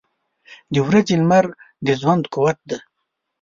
• د ورځې لمر د ژوند قوت دی.